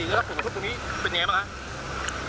ตรงนี้เป็นอย่างไรบ้างคะ